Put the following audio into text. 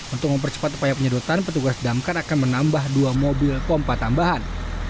untuk mempercepat upaya penyedotan petugas damkar akan menambah dua mobil pompa tambahan